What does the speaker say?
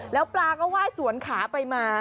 แล้วปลาก็ไหว้สวนขาไปมา